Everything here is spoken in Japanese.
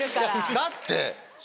だって。